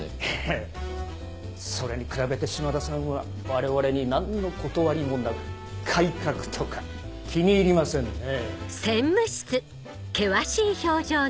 ええそれに比べて島田さんは我々に何の断りもなく改革とか気に入りませんね。